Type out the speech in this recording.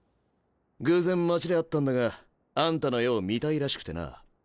偶然街で会ったんだがあんたの絵を見たいらしくてな。